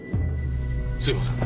すいません。